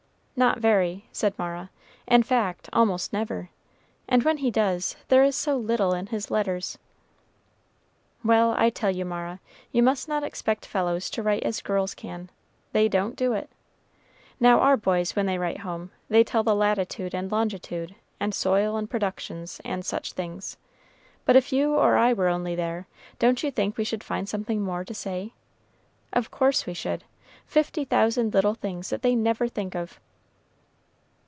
"Not very," said Mara; "in fact, almost never; and when he does, there is so little in his letters." "Well, I tell you, Mara, you must not expect fellows to write as girls can. They don't do it. Now, our boys, when they write home, they tell the latitude and longitude, and soil and productions, and such things. But if you or I were only there, don't you think we should find something more to say? Of course we should, fifty thousand little things that they never think of."